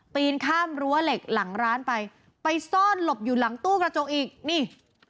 ปีนข้ามรั้วเหล็กหลังร้านไปไปซ่อนหลบอยู่หลังตู้กระจกอีกนี่